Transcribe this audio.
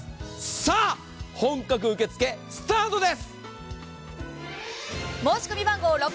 さあ、本格受け付けスタートです。